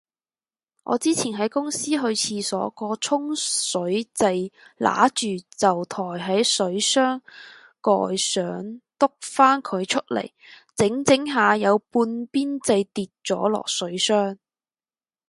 我之前喺公司去廁所，個沖水掣棘住就抬起水箱蓋想篤返佢出嚟，整整下有半邊掣跌咗落水箱